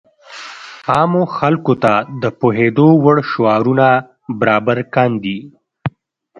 عامو خلکو ته د پوهېدو وړ شعارونه برابر کاندي.